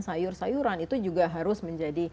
sayur sayuran itu juga harus menjadi